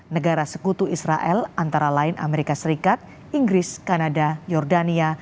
negara sekutu israel antara lain amerika serikat inggris kanada jordania